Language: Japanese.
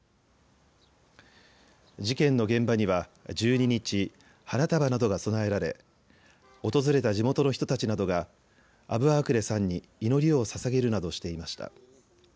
事件の現場には１２日花束などが供えられ訪れた地元の人たちなどがアブアークレさんに祈りをささげるなどしていました。